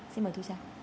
xin mời thu trang